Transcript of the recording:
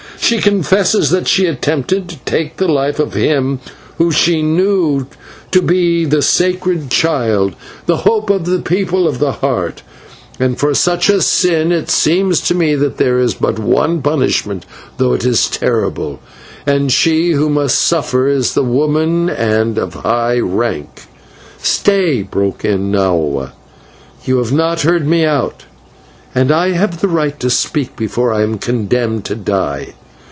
She confesses that she attempted to take the life of him whom she knew to be the sacred child, the hope of the People of the Heart, and for such a sin it seems to me that there is but one punishment, though it is terrible, and she who must suffer it is a woman and of high rank." "Stay!" broke in Nahua. "You have not heard me out, and I have the right to speak before I am condemned to die.